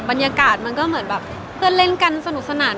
บรรยากาศมันก็เหมือนแบบเพื่อนเล่นกันสนุกสนาน